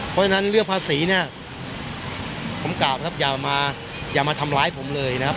เพราะฉะนั้นเรื่องภาษีเนี่ยผมกล่าวนะครับอย่ามาอย่ามาทำร้ายผมเลยนะครับ